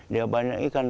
dia banyak ikan